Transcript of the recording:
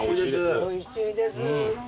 おいしいです。